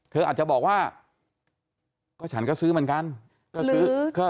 เธออาจจะบอกว่าก็ฉันก็ซื้อเหมือนกันก็ซื้อ